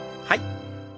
はい。